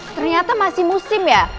ternyata masih musim ya